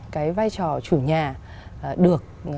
cái vai trò chủ nhà được